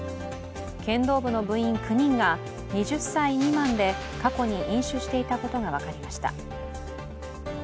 剣道部の部員９人が２０歳未満で過去に飲酒していたことが分かりました。